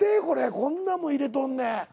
これこんなもん入れとんねん。